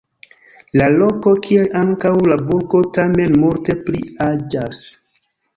La loko kiel ankaŭ la burgo tamen multe pli aĝas.